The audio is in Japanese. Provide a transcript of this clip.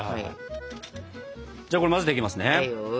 じゃあこれ混ぜていきますね。